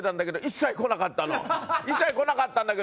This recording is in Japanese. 一切こなかったんだけど中居